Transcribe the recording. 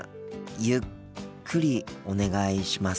ゆっくりお願いします。